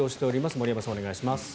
森山さん、お願いします。